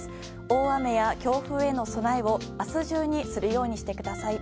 大雨や強風への備えを明日中にするようにしてください。